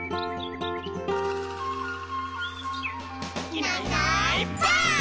「いないいないばあっ！」